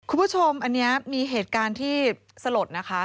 คุณผู้ชมอันนี้มีเหตุการณ์ที่สลดนะคะ